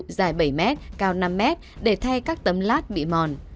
dài bảy m cao năm mét để thay các tấm lát bị mòn